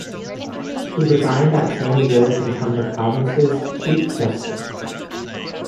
He resigned that same year to become the province's Chief Justice.